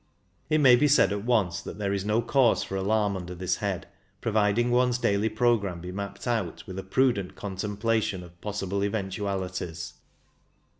It may be said at once that there is no cause for alarm under this head, provided one's daily programme be mapped out with a prudent contemplation of possible event ualities.